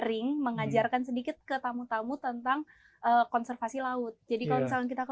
sering mengajarkan sedikit ke tamu tamu tentang konservasi laut jadi kalau misalnya kita